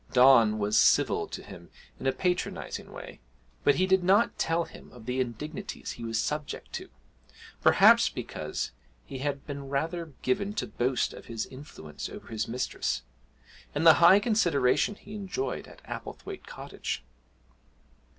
Don was civil to him in a patronising way, but he did not tell him of the indignities he was subject to, perhaps because he had been rather given to boast of his influence over his mistress, and the high consideration he enjoyed at Applethwaite Cottage.